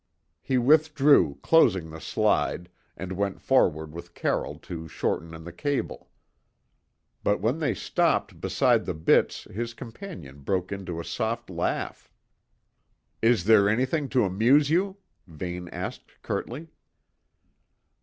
He withdrew, closing the slide, and went forward with Carroll to shorten in the cable; but when they stopped beside the bitts his companion broke into a soft laugh. "Is there anything to amuse you?" Vane asked curtly.